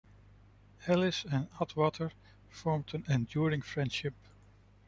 Ellis and Atwater formed an enduring friendship.